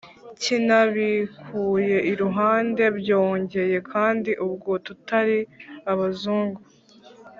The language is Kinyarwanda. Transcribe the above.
kinabikuye iruhande! byongeye kandi ubwo tutari abazungu,